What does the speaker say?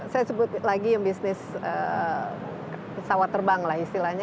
saya sebut lagi yang bisnis pesawat terbang lah istilahnya